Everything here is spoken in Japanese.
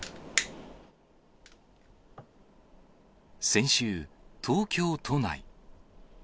先週、東京都内。